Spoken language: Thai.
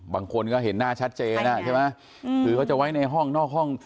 บางคนก็เห็นหน้าชัดเจนอ่ะใช่ไหมคือเขาจะไว้ในห้องนอกห้อง